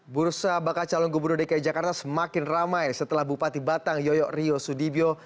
bursa bakal calon gubernur dki jakarta semakin ramai setelah bupati batang yoyo ryo sudibyo